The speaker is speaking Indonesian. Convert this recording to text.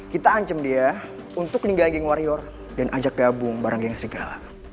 kita ancam dia untuk ninggalin king warrior dan ajak gabung bareng geng serigala